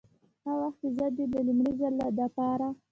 هغه وخت چې زه دې د لومړي ځل دپاره